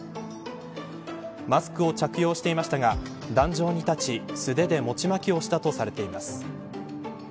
マスクを着用していましたが壇上に立ち、素手で餅まきをしたとされています。